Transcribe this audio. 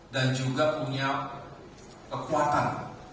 dan juga punya kekuatan